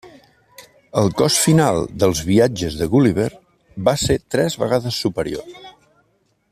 El cost final dels viatges de Gulliver va ser tres vegades superior.